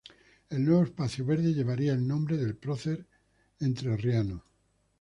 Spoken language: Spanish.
El nuevo espacio verde llevaría el nombre del prócer entrerriano.